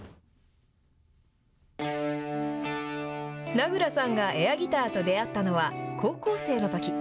名倉さんがエアギターと出会ったのは、高校生のとき。